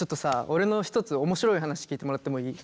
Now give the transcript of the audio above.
俺の一つ面白い話聞いてもらってもいい？